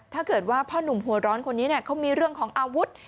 ถ้าเกิดว่าพ่อนุ่มหัวร้อนคนนี้เขามีเรื่องของอาวุธ